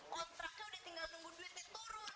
kontraknya udah tinggal nunggu duitnya turun